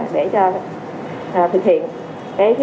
để thực hiện